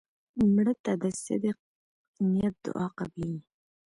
مړه ته د صدق نیت دعا قبلیږي